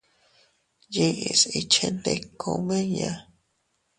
Yiʼis ikchendiku miña.